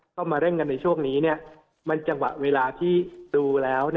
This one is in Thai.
เข้ามาเร่งกันในช่วงนี้มันจังหวะเวลาที่ดูแล้ว